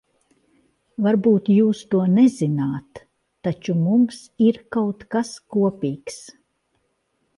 Varbūt jūs to nezināt, taču mums ir kaut kas kopīgs.